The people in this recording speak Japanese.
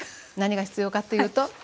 何が必要かというと。